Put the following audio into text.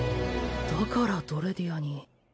だからドレディアに。